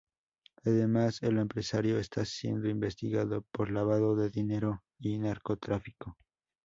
Además el empresario está siendo investigado por lavado de dinero y narcotráfico.